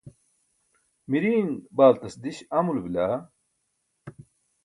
miriiṅ baaltas diś amulo bila?